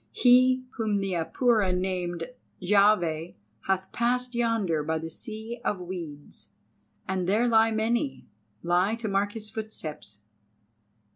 He whom the Apura name Jahveh hath passed yonder by the Sea of Weeds, and there lie many, lie to mark His footsteps."